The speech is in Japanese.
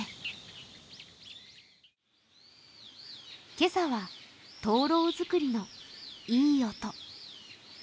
今朝は燈籠作りのいい音。